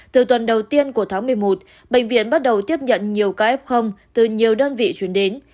từ tuần đầu tiên của tháng một mươi một bệnh viện bắt đầu tiếp nhận nhiều caf từ nhiều đơn vị chuyển đến